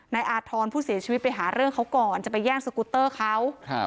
อาธรณ์ผู้เสียชีวิตไปหาเรื่องเขาก่อนจะไปแย่งสกุตเตอร์เขาครับ